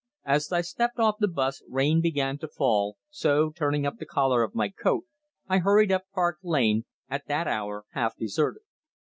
As I stepped off the 'bus rain began to fall, so turning up the collar of my coat I hurried up Park Lane, at that hour half deserted.